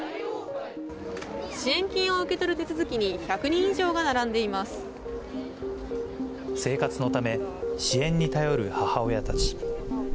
支援金を受け取る手続きに、生活のため、支援に頼る母親たち。